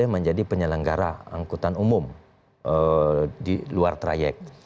kami ingin menjadi pengelenggara angkutan umum di luar trayek